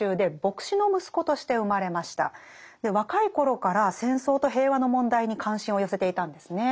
若い頃から戦争と平和の問題に関心を寄せていたんですね。